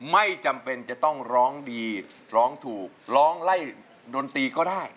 ไม่จำเป็นจะต้องร้องดีร้องถูกร้องไล่ดนตรีก็ได้